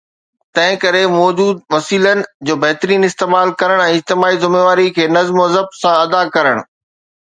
تنهن ڪري، موجود وسيلن جو بهترين استعمال ڪرڻ ۽ اجتماعي ذميواري کي نظم و ضبط سان ادا ڪرڻ